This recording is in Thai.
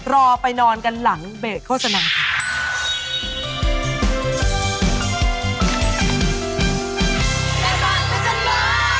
รอไปนอนกันหลังเบรกโฆษณาค่ะ